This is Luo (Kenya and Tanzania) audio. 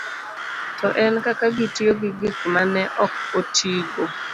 to en kaka gitiyo gi gik ma ne ok otigo.